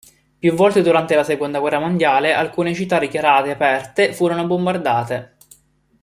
Più volte durante la Seconda guerra mondiale alcune città dichiarate aperte furono bombardate.